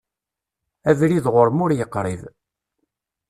Abrid ɣur-m ur yeqrib.